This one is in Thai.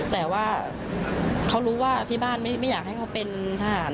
แต่ว่าเขารู้ว่าที่บ้านไม่อยากให้เขาเป็นทหาร